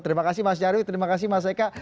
terima kasih mas nyarwi terima kasih mas eka